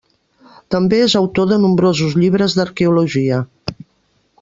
També és autor de nombrosos llibres d'arqueologia.